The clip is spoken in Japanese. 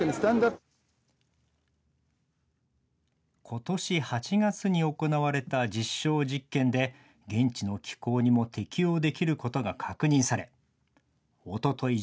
ことし８月に行われた実証実験で現地の気候にも適応できることが確認されおととい